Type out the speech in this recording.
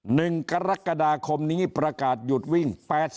หนึ่งกรกฎาคมนี้ประกาศหยุดวิ่ง๘๐